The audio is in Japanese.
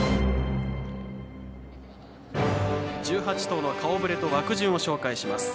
１８頭の顔ぶれと枠順をご紹介します。